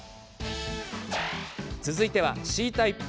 続いては、Ｃタイプ。